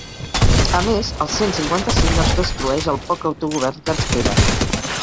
A més, el cent cinquanta-cinc ens destrueix el poc autogovern que ens queda.